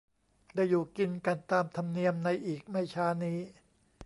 ได้อยู่กินกันตามธรรมเนียมในอีกไม่ช้านี้